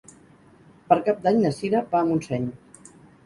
Per Cap d'Any na Cira va a Montseny.